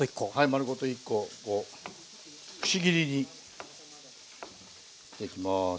丸ごと１コをくし切りにしていきます。